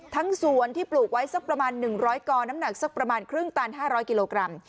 ทั้งสวนที่ปลูกไว้สักประมาณหนึ่งร้อยก่อนน้ำหนักสักประมาณครึ่งตันห้าร้อยกิโลกรัม